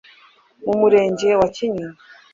mu murenge wa Kinyinya